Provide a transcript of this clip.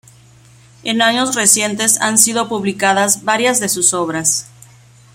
En años recientes han sido publicadas varias de sus obras.